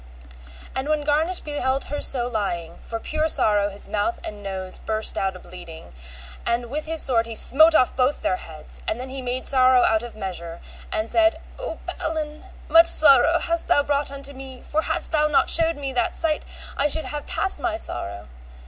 And when Garnish beheld her so lying, for pure sorrow his mouth and nose burst out a bleeding, and with his sword he smote off both their heads, and then he made sorrow out of measure, and said, O Balin, much sorrow hast thou brought unto me, for hadst thou not shewed me that sight I should have passed my sorrow.